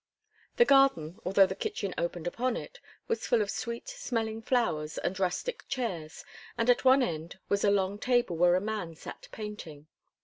The garden, although the kitchen opened upon it, was full of sweet smelling flowers and rustic chairs, and at one end was a long table where a man sat painting.